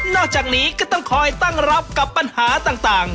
จากนี้ก็ต้องคอยตั้งรับกับปัญหาต่าง